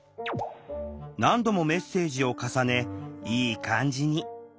何度もメッセージを重ねいい感じに。